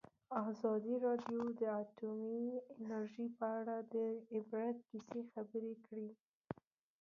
ازادي راډیو د اټومي انرژي په اړه د عبرت کیسې خبر کړي.